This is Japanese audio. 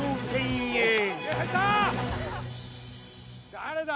誰だ？